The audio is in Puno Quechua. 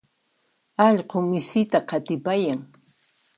allqu misita qatipayan.